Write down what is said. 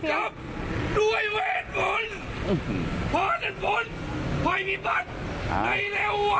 เพาะสัตว์ผลไฟมีบัตรในระวัง